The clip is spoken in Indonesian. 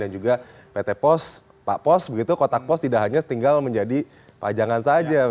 dan juga pt pos pak pos begitu kotak pos tidak hanya tinggal menjadi pajangan saja